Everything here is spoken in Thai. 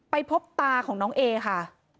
พบตาของน้องเอค่ะ